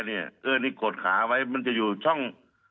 อันนี้กดขาไว้มันจะอยู่ช่อง